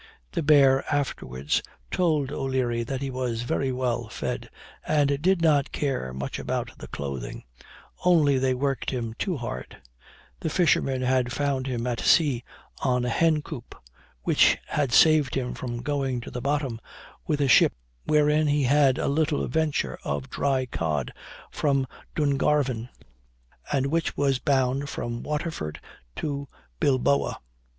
The bear afterwards told O'Leary that he was very well fed, and did not care much about the clothing; only they worked him too hard: the fishermen had found him at sea on a hencoop, which had saved him from going to the bottom, with a ship wherein he had a little venture of dried cod from Dungarvan, and which was bound from Waterford to Bilboa.